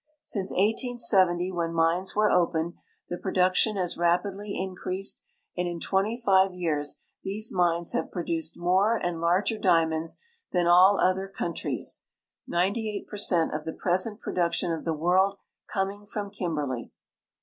Since 1870, when mines were opened, the production has ra])idly increased, and in twent}'' five years these mines have ]n'odiiced more and larger diamonds than all other countries, 98 per cent of the present production of the world coming from Kimberley.